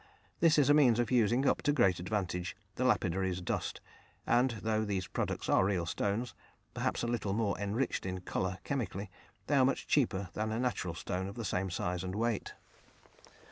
This is a means of using up to great advantage the lapidary's dust, and though these products are real stones, perhaps a little more enriched in colour chemically, they are much cheaper than a natural stone of the same size and weight.